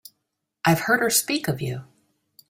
I've heard her speak of you.